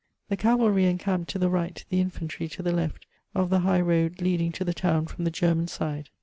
The cavalry encamped 'to the right, the infuitry to the left, of the higti road leading to the town from the Gferman side.